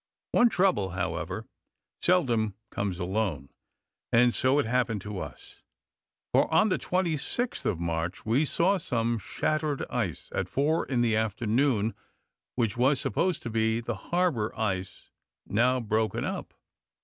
One trouble, however, seldom comes alone, and so it happened to us; for, on the 26th of March, we saw some shattered ice, at four in the afternoon, which was supposed to be the harbor ice now broken up.